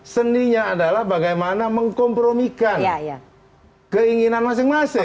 seninya adalah bagaimana mengkompromikan keinginan masing masing